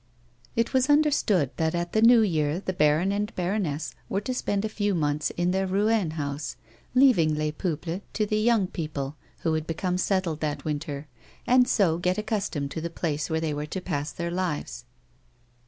It was understood that at the new year the baron and baroness were to spend a few months in their Rouen house, leaving Les Peuples to the young people who would become settled that winter, and so get accustomed to the place where they were to pass their lives.